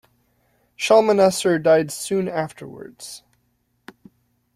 Shalmaneser died soon afterwards.